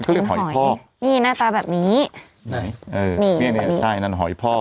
ก็เลยหอยพ่อนี่หน้าตาแบบนี้ไหนเออนี่นี่ใช่นั่นหอยพ่อ